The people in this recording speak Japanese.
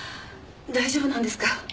大丈夫なんですか？